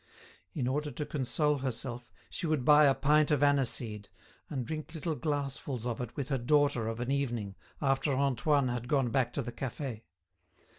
In order to console herself, she would buy a pint of aniseed, and drink little glassfuls of it with her daughter of an evening, after Antoine had gone back to the cafe.